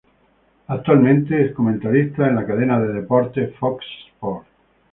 Actualmente es comentarista en la cadena de deportes Fox Sports.